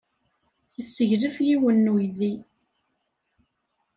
Yesseglef yiwen n uydi.